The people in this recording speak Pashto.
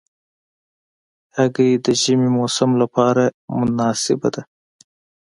هګۍ د ژمي موسم لپاره مناسبه ده.